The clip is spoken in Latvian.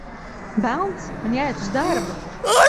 Velns, man jāiet uz darbu!